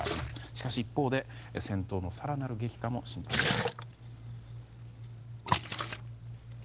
しかし一方で戦闘の更なる激化も心配です。